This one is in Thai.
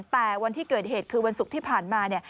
แต่วันที่เกิดเหตุคือวันศุกร์ที่ผ่านมาเนี่ย